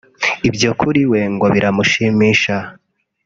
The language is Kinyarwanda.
ibyo kuri we ngo biramushimisha